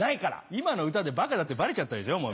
今の歌でバカだってバレちゃったでしょう